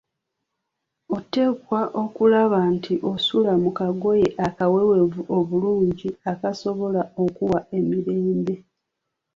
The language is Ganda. Oteekwa okulaba nti osula mu kagoye akaweweevu obulungi akasobola okukuwa emirembe.